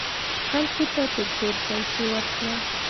خلکو ته په پور پیسې ورکړه .